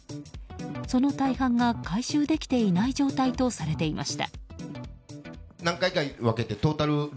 その大半が回収できていない状態とされていました。